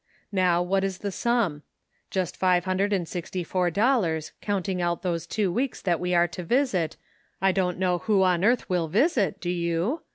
Now, what is the sum ? Just five hun dred and sixty four dollars, counting out those two weeks that we are to visit — I don't know who on earth we'll visit, do you?